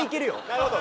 なるほど！